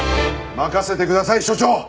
任せてください署長！